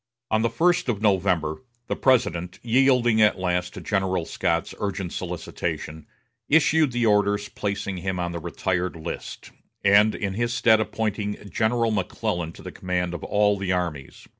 On the first of November the President, yielding at last to General Scott's urgent solicitation, issued the orders placing him on the retired list, and in his stead appointing General McClellan to the command of all the armies.